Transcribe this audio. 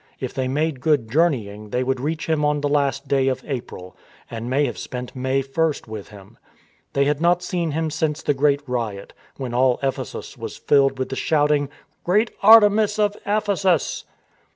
If they made good journeying they would reach him on the last day of April, and may have spent May i with him. They had not seen him since the great riot, when all Ephesus was filled with the shouting, " Great Artemis of Ephesus."